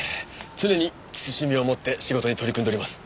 常に慎みを持って仕事に取り組んでおります。